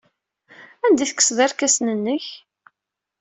Anda ay tekkseḍ irkasen-nnek?